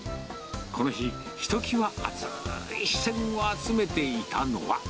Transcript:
この日、ひときわあつーい視線を集めていたのは。